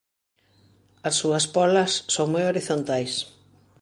As súas pólas son moi horizontais.